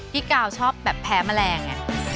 กาวชอบแบบแพ้แมลง